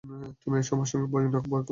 তুমি এসো আমার সঙ্গে, ভয় কোনো না।